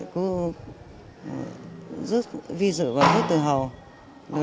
cũng rất vi dự và rất tự hào